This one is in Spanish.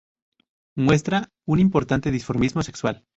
Muestra un importante dimorfismo sexual.